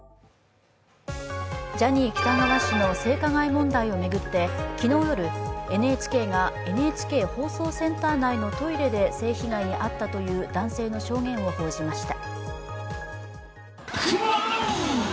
ジャニー喜多川氏の性加害問題を巡って昨日夜、ＮＨＫがＮＨＫ放送センター内のトイレで性被害に遭ったという男性の証言を報じました。